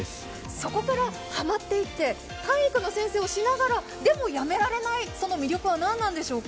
そこからハマっていって、体育の先生をしながら、でもやめられない魅力は何なんでしょうか？